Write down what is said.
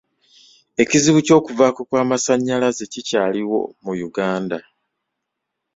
Ekizibu ky'okuvaavaako kw'amasannyalaze kikyaliwo mu Uganda.